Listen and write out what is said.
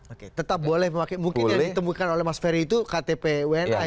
oke tetap boleh mungkin yang ditemukan oleh mas ferry itu ktp wna ya